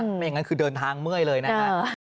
ไม่อย่างนั้นคือเดินทางเมื่อยเลยนะฮะ